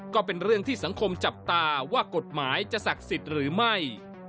ก็เป็นเรื่องที่สังคมจับตาว่ากฎหมายจะศักดิ์สิทธิ์หรือไม่